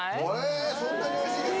そんなにおいしいですか？